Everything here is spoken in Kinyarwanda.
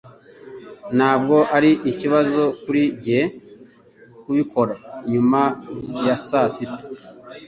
Ntabwo ari ikibazo kuri njye kubikora nyuma ya saa sita.